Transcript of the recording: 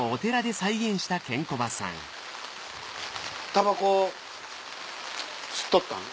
たばこ吸っとったん？